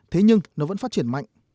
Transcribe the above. thế nhưng nó vẫn phát triển mạnh